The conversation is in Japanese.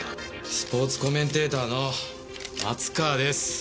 スポーツコメンテーターの松川です。